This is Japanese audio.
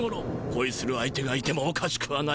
こいする相手がいてもおかしくはない。